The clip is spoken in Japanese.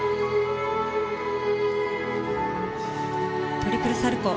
トリプルサルコウ。